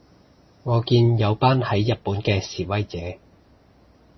我見有班喺日本嘅示威者